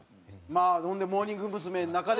まあそんでモーニング娘。の中でも。